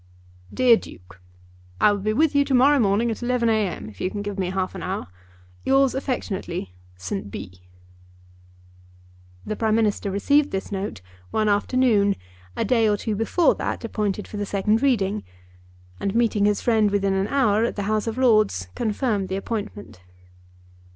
DEAR DUKE, I will be with you to morrow morning at 11 A.M., if you can give me half an hour. Yours affectionately, ST. B. The Prime Minister received this note one afternoon, a day or two before that appointed for the second reading, and meeting his friend within an hour in the House of Lords, confirmed the appointment.